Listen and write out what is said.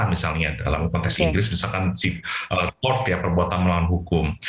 misalnya dalam konteks inggris misalkan perbuatan melawan hukum